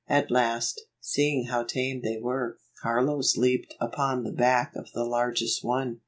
At last, see ing how tame they were, Carlos leaped upon the back of the largest one.